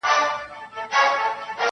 منصور دا ځلي د دې کلي ملا کړو,